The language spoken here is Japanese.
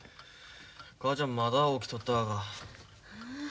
母ちゃんまだ起きとったがか。